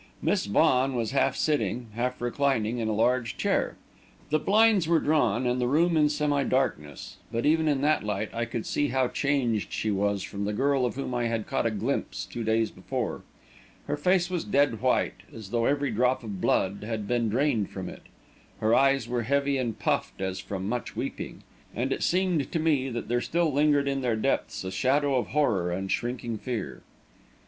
Miss Vaughan was half sitting, half reclining in a large chair. The blinds were drawn and the room in semi darkness, but even in that light I could see how changed she was from the girl of whom I had caught a glimpse two days before. Her face was dead white, as though every drop of blood had been drained from it; her eyes were heavy and puffed, as from much weeping, and it seemed to me that there still lingered in their depths a shadow of horror and shrinking fear.